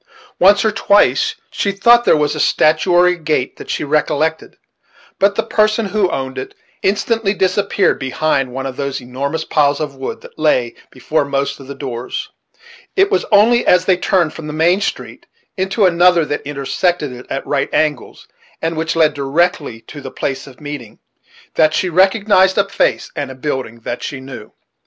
Once or twice she thought there was a stature or a gait that she recollected; but the person who owned it instantly disappeared behind one of those enormous piles of wood that lay before most of the doors, It was only as they turned from the main street into another that intersected it at right angles, and which led directly to the place of meeting, that she recognized a face and building that she knew.